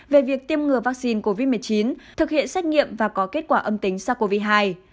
về việc tiêm ngừa vaccine covid một mươi chín thực hiện xét nghiệm và có kết quả âm tính sars cov hai